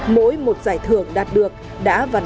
mỗi một giải thưởng đạt được đã bằng lửa đam mê với nghề